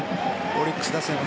オリックス打線は。